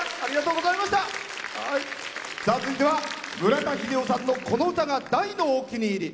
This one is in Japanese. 続いては村田英雄さんのこの歌が大のお気に入り。